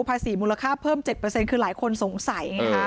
ภาษีมูลค่าเพิ่ม๗คือหลายคนสงสัยไงฮะ